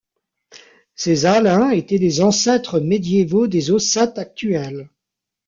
Ces Alains étaient les ancêtres médiévaux des Ossètes actuels.